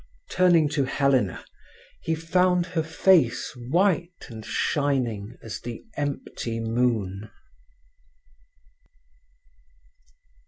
Turning to Helena, he found her face white and shining as the empty moon.